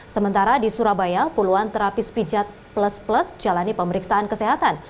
sementara di surabaya puluhan terapis pijat plus plus jalani pemeriksaan kesehatan